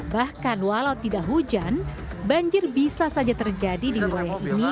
bahkan walau tidak hujan banjir bisa saja terjadi di wilayah ini